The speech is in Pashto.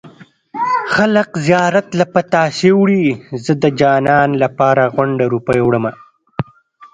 خلک زيارت له پتاسې وړي زه د جانان لپاره غونډه روپۍ وړمه